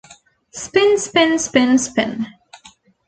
Spin, spin, spin, spin.